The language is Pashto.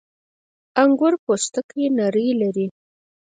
• انګور پوستکی نری لري.